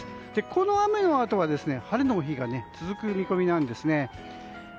この雨のあとは晴れの日が続く見込みなんですね。